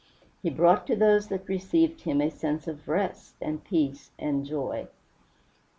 He brought to those that received him a sense of rest and peace and joy. St.